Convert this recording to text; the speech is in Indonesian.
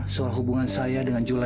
soal hubungan saya dengan jula